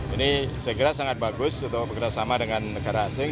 ini segera sangat bagus untuk bergerak sama dengan negara asing